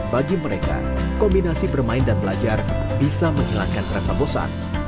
bagi mereka kombinasi bermain dan belajar bisa menghilangkan rasa bosan